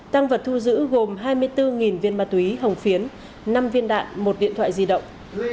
công an huyện hương nguyên phối hợp với công an huyện thanh trường năm viên đạn một điện thoại di động